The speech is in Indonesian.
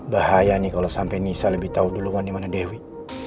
bahaya nih kalau sampai nisa lebih tahu duluan dimana dewi